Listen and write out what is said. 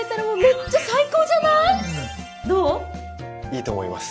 いいと思います。